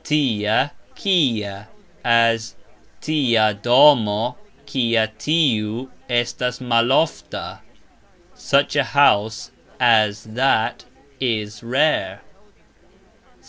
"tia ... kia", as "Tia" domo, "kia" tiu, estas malofta, "Such" a house "as" that is rare.